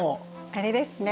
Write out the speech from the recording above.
あれですね。